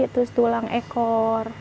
terus tulang ekor